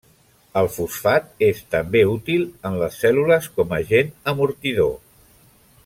El fosfat és també útil en les cèl·lules com agent amortidor.